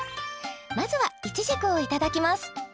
まずはいちじくをいただきます